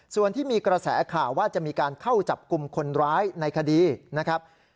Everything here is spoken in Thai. ส่วนที่มีกระแสข่าวว่าจะมีการเข้าจับกลุ่มคนร้ายในคดีนะครับ